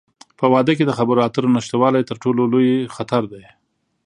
په واده کې د خبرو اترو نشتوالی، تر ټولو لوی خطر دی.